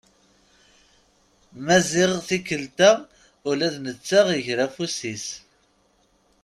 Maziɣ tikkelt-a ula d netta iger afus-is.